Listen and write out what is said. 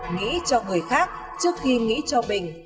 nghĩ cho người khác trước khi nghĩ cho mình